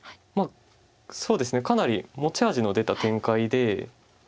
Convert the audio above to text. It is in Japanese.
そうですねかなり持ち味の出た展開で。